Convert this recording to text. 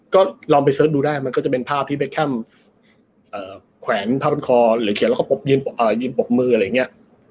ก็ลองไปเสิร์ชดูได้มันก็จะเป็นภาพที่เบคแคมแขวนผ้าบนคอหรือเขียนแล้วก็ยืนปรบมืออะไรอย่างนี้